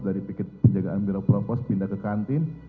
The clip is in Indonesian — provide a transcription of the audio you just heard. dari pikir penjagaan biro propos pindah ke kantin